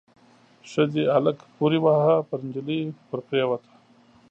ښځې هلک پوري واهه، پر نجلۍ ور پريوته.